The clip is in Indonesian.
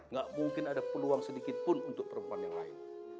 gak mungkin ada peluang sedikit pun untuk perempuan yang lain